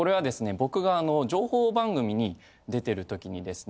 僕があの情報番組に出てるときにですね